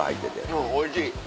うんおいしい。